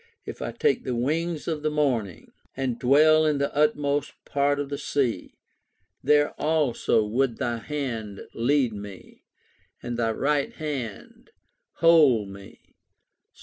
If I take the wings of the morning. And dwell in the uttermost part of the sea; There also would thy hand lead me, And thy right hand hold me [Ps.